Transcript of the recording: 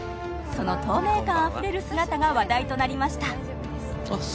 その透明感あふれる姿が話題となりました